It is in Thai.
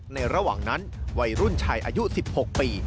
ระหว่างนั้นวัยรุ่นชายอายุ๑๖ปี